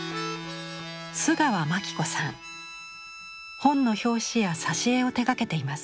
本の表紙や挿絵を手がけています。